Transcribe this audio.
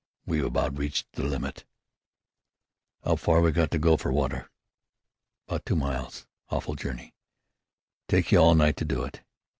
We've about reached the limit." "'Ow far we got to go fer water?" "'Bout two miles. Awful journey! Tyke you all night to do it.